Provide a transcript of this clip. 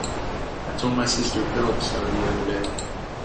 I told my sister Phillips so the other day.